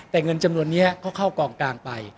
แต่เงินจำนวนนี้ก็เข้ากองกลางไป